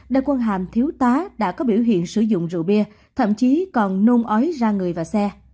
đào quân hàm thiếu tá đã có biểu hiện sử dụng rượu bia thậm chí còn nôn ói ra người và xe